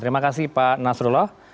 terima kasih pak nasrullah